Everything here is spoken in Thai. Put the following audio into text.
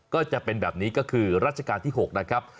ก็จะเป็นแบบนี้ก็คือรัชกาลที่๖นะครับ